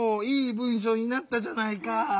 いい文しょうになったじゃないか。